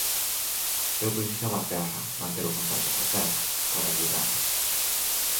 Eu precisaba a terra, manter o contacto coa terra, coa realidade.